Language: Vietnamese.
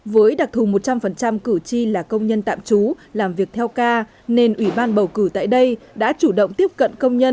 với đặc thù một trăm linh cử tri là công nhân tạm trú làm việc theo ca nên ủy ban bầu cử tại đây đã chủ động tiếp cận công nhân